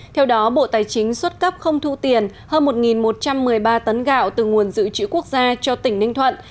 theo đó bộ tài chính xuất cấp không thu tiền hơn một một trăm một mươi ba tấn gạo từ nguồn dự trữ quốc gia cho tỉnh ninh thuận